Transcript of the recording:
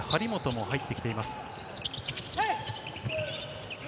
張本も入ってきています。